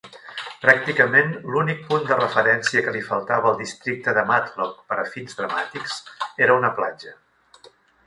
Pràcticament l'únic punt de referència que li faltava al districte de Matlock per a fins dramàtics era una platja.